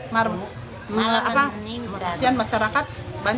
masyarakat banyak mengilu dengan adanya peningkatan bahan bahan sembahkau